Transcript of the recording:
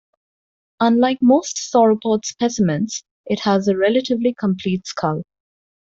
Unlike most sauropod specimens, it has a relatively complete skull.